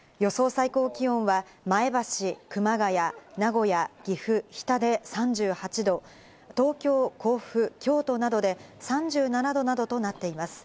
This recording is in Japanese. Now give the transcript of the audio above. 最高気温は前橋、熊谷、名古屋、岐阜、日田で３８度、東京、甲府、京都などで３７度などとなっています。